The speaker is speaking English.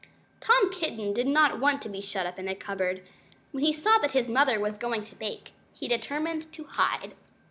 Tom Kitten did not want to be shut up in a cupboard. When he saw that his mother was going to bake, he determined to hide.